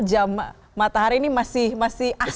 jam matahari ini masih asing sekali ya